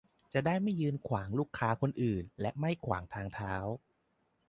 จะได้ไม่ยืนขวางลูกค้าคนอื่นและไม่ขวางทางเท้า